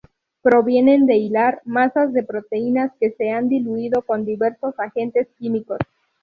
Provienen de hilar masas de proteínas que se han diluido con diversos agentes químicos.